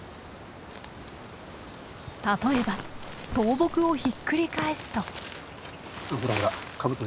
例えば倒木をひっくり返すと。